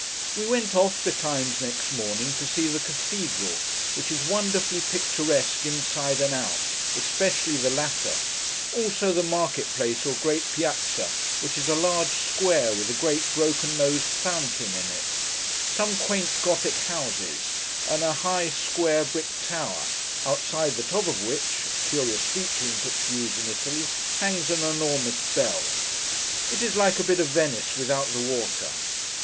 We went off, betimes next morning, to see the Cathedral, which is wonderfully picturesque inside and out, especially the latter—also the market place, or great Piazza, which is a large square, with a great broken nosed fountain in it: some quaint Gothic houses: and a high square brick tower; outside the top of which—a curious feature in such views in Italy—hangs an enormous bell. It is like a bit of Venice, without the water.